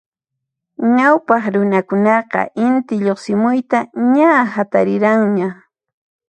Ñawpaq runakunaqa Inti lluqsimuyta ña hatariranña.